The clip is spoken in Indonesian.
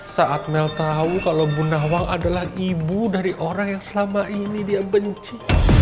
saat mel tahu kalau bu nawal adalah ibu dari orang yang selama ini dia benci